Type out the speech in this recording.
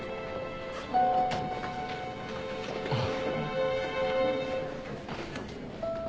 あっ。